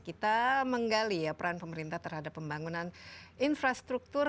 kita menggali ya peran pemerintah terhadap pembangunan infrastruktur